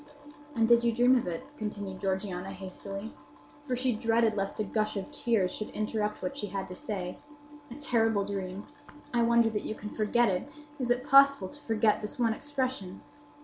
"And you did dream of it?" continued Georgiana, hastily; for she dreaded lest a gush of tears should interrupt what she had to say. "A terrible dream! I wonder that you can forget it. Is it possible to forget this one expression?